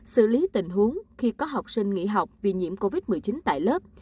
xử lý tình huống khi có học sinh nghỉ học vì nhiễm covid một mươi chín tại lớp